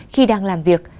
khi đang làm việc